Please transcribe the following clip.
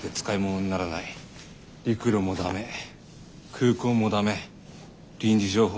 陸路も駄目空港も駄目臨時情報